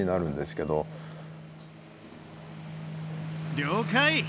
了解。